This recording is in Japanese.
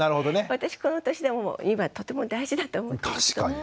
私この年でも今とても大事だと思ってますけど。